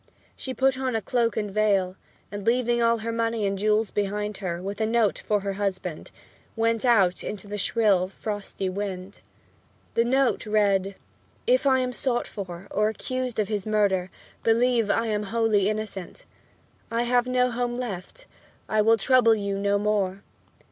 She put on a cloak and veil and, leaving all her money and jewels behind her, with a note for her husband, went out into the shrill, frosty wind. The note read: "If I am sought for or accused of his murder, believe I am wholly innocent. I have no home left, I will trouble you no more.